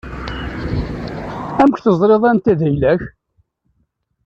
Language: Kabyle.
Amek teẓriḍ anta d ayla-k?